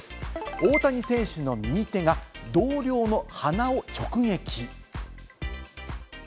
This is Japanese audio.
大谷選手の右手が同僚の鼻を直撃。